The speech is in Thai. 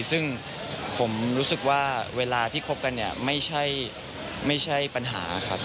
ซึ่งผมรู้สึกว่าเวลาที่คบกันเนี่ยไม่ใช่ปัญหาครับ